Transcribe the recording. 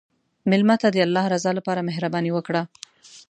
مېلمه ته د الله رضا لپاره مهرباني وکړه.